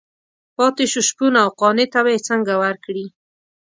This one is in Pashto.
پاتې شو شپون او قانع ته به یې څنګه ورکړي.